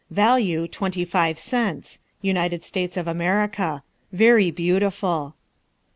Value twenty five cents. United States of America. Very beautiful.